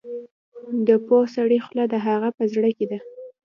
د پوه سړي خوله د هغه په زړه کې ده.